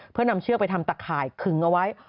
เพื่อนำเชือกไปทำตะข่ายขึงเอาไว้